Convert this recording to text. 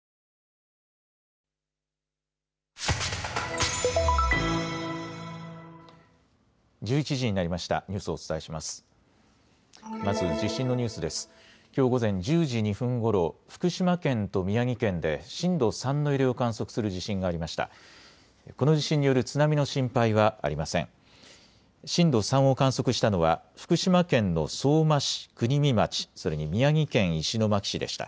きょう午前１０時２分ごろ福島県と宮城県で震度３の揺れを観測する地震がありました。